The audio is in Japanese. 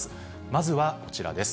まずはこちらです。